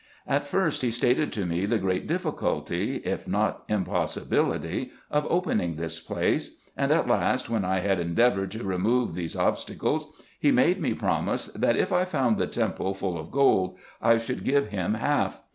At first he stated to me the great difficulty, if not impossibility of opening this place ; and at last, when I had endeavoured to remove these obstacles, lie made IN EGYPT, NUBIA, &c. 93 me promise, that, if I found the temple full of gold, I should give him half.